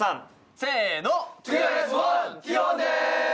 せーの！